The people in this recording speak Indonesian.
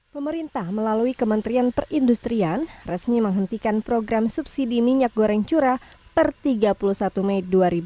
pemerintah melalui kementerian perindustrian resmi menghentikan program subsidi minyak goreng curah per tiga puluh satu mei dua ribu dua puluh